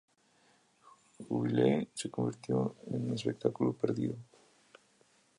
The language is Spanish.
Jubilee se convirtió en un espectáculo perdido.